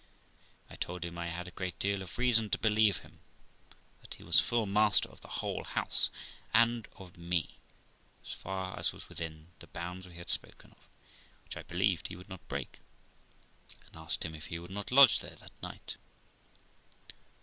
I told him I had a great deal of reason to believe him, that he was full master of the whole house and of me, as far as was within the bounds we had spoken of, which I believed he would not break, and asked him if he would not lodge there that night.